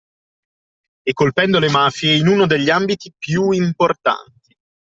E colpendo le mafie in uno degli ambiti più importanti